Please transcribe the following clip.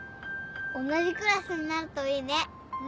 同じクラスになるといいね！